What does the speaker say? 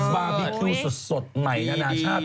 บาร์บีคิวสดใหม่นานาชาติ